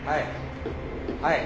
はい。